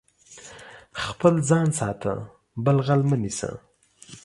خپل ځان ساته، بل غل مه نيسه.